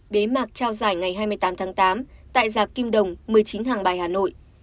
bế mạc trao giải ngày hai mươi tám tháng tám tại dạp kim đồng một mươi chín hàng bài hà nội